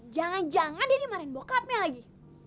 jangan jangan dia dimarahin bokapnya lagi